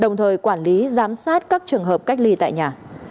giám sát các trường hợp cách ly tại nhà